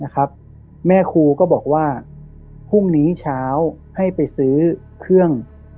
แม่ครูก็บอกว่าพรุ่งนี้เช้าให้ไปซื้อเครื่อง